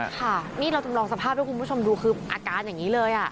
ค่ะนี่เราจำลองสภาพให้คุณผู้ชมดูคืออาการอย่างนี้เลย